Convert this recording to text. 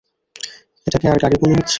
এটাকে আর গাড়ি মনে হচ্ছে?